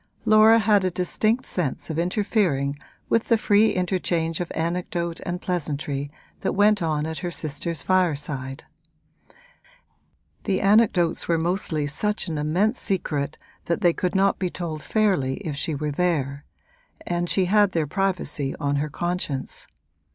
Laura had a distinct sense of interfering with the free interchange of anecdote and pleasantry that went on at her sister's fireside: the anecdotes were mostly such an immense secret that they could not be told fairly if she were there, and she had their privacy on her conscience.